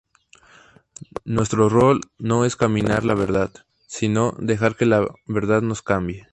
Nuestro rol no es cambiar la verdad, sino dejar que la verdad nos cambie.